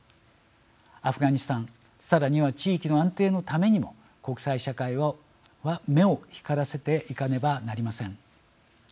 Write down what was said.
アフガニスタンさらには地域の安定のためにも国際社会は目を光らせていかねばなりません。